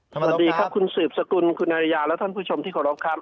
สวัสดีครับคุณสืบสกุลคุณอาริยาและท่านผู้ชมที่เคารพครับ